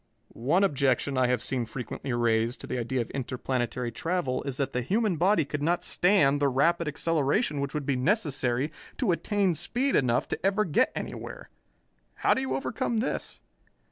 "One objection I have seen frequently raised to the idea of interplanetary travel is that the human body could not stand the rapid acceleration which would be necessary to attain speed enough to ever get anywhere. How do you overcome this?"